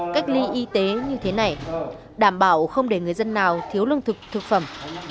cách ly y tế như thế này đảm bảo không để người dân nào thiếu lương thực thực phẩm